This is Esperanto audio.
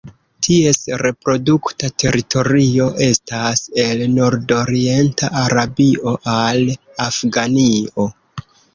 Ties reprodukta teritorio estas el nordorienta Arabio al Afganio.